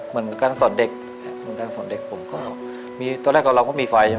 เหมือนการสอนเด็กเหมือนการสอนเด็กผมก็มีตอนแรกกับเราก็มีไฟใช่ไหม